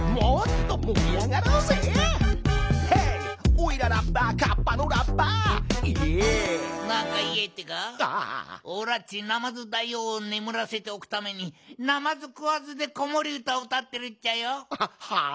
おらっちなまずだいおうをねむらせておくためになまずくわずでこもりうたうたってるっちゃよ。はあ？